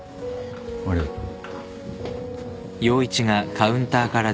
ありがとう。